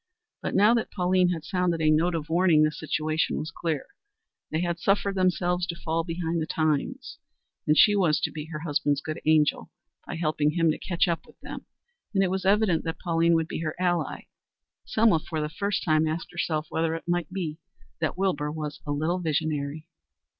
But now that Pauline had sounded a note of warning, the situation was clear. They had suffered themselves to fall behind the times, and she was to be her husband's good angel by helping him to catch up with them. And it was evident that Pauline would be her ally. Selma for the first time asked herself whether it might be that Wilbur was a little visionary.